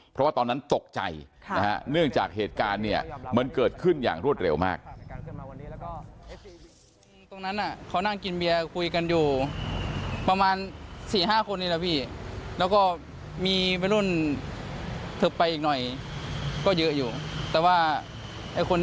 เพราะว่าตอนนั้นตกใจเนื่องจากเหตุการณ์เนี่ยมันเกิดขึ้นอย่างรวดเร็วมาก